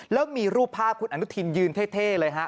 แล้วมีรูปภาพคุณอนุทินยืนเท่เลยฮะ